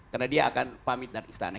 karena dia akan pamit dari istana